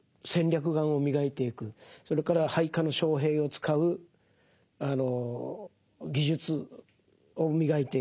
それから配下の将兵を使う技術を磨いていく。